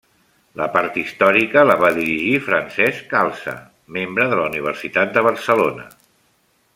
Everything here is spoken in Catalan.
La part històrica la va dirigir Francesc Calça, membre de la Universitat de Barcelona.